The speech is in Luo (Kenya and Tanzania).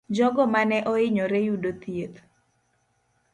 Jogo mane oinyore yudo thieth.